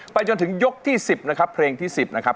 จนถึงยกที่๑๐นะครับเพลงที่๑๐นะครับ